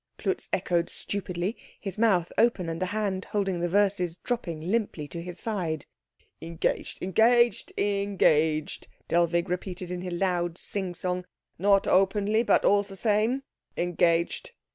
Klutz echoed stupidly, his mouth open and the hand holding the verses dropping limply to his side. "Engaged, engaged, engaged," Dellwig repeated in a loud sing song, "not openly, but all the same engaged."